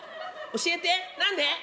教えて何で？